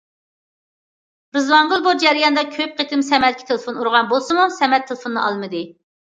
رىزۋانگۈل بۇ جەرياندا كۆپ قېتىم سەمەتكە تېلېفون ئۇرغان بولسىمۇ، سەمەت تېلېفوننى ئالمىدى.